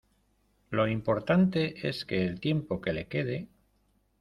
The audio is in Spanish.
lo importante es que el tiempo que le quede